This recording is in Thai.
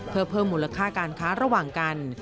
เพื่อเพิ่มมูลค่าการค้าระหว่างกัน